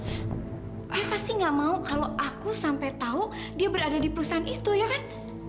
saya pasti gak mau kalau aku sampai tahu dia berada di perusahaan itu ya kan